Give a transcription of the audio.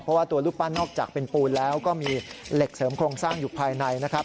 เพราะว่าตัวรูปปั้นนอกจากเป็นปูนแล้วก็มีเหล็กเสริมโครงสร้างอยู่ภายในนะครับ